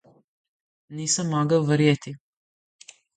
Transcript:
Nisem mogel verjeti.